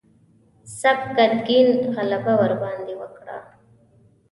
سبکتګین غلبه ورباندې وکړه.